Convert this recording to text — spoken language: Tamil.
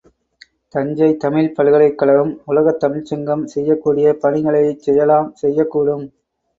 தஞ்சைத் தமிழ்ப் பல்கலைக்கழகம், உலகத் தமிழ்ச்சங்கம் செய்யக்கூடிய பணிகளைச் செய்யலாம் செய்யக்கூடும்.